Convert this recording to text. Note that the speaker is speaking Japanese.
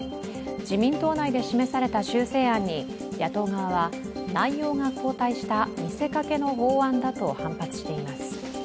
自民党内で示された修正案に野党側は内容が後退した見せかけの法案だと反発しています。